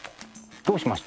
どうしました？